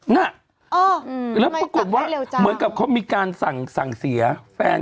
น่ะแล้วปรากฏว่าเหมือนกับเขามีการสั่งเสียแฟน